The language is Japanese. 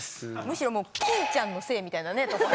むしろ欽ちゃんのせいみたいなとこ。